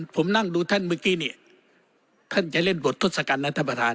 ผมนั่งดูท่านเมื่อกี้นี่ท่านจะเล่นบททศกัณฐ์นะท่านประธาน